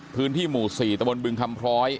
พื้นที่หมู่๔ตะบนบึงคำพร้อย